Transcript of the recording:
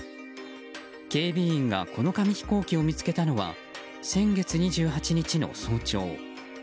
警備員がこの紙飛行機を見つけたのは先月２８日の早朝。